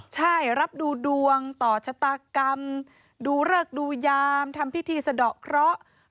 ใช่รับดูดวงต่อชะตากรรมดูเริกดูยามทำพิธีสะดอกเคราะห์